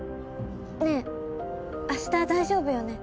ねえ明日大丈夫よね？